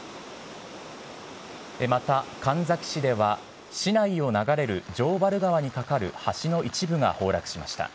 また神埼市では、市内を流れる城原川にかかる橋の一部が崩落しました。